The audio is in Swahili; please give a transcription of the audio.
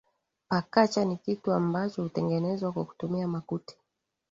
Pakacha ni kitu ambacho hutengezwa kwa kutumia makuti